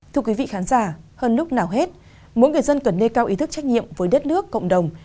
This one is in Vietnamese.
thưa quý vị khán giả hơn lúc nào hết mỗi người dân cần nêu cao ý thức trách nhiệm với đất nước cộng đồng